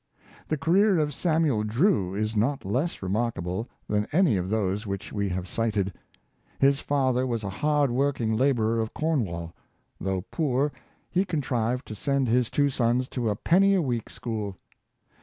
The career of Samuel Drew is not less remarkable than any of those which we have cited. His father was a hard working laborer of Cornwall. Though poor, he contrived to send his two sons to a penny a week school.